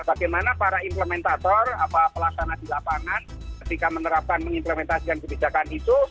bagaimana para implementator apa pelaksana di lapangan ketika menerapkan mengimplementasikan kebijakan itu